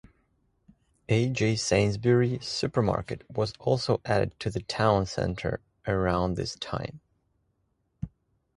A J Sainsbury supermarket was also added to the town centre around this time.